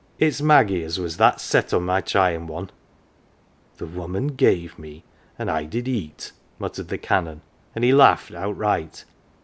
It's Maggie as was that set on my tryin' one "' The woman gave me ... and I did eat," 1 " muttered the Canon, and he laughed outright.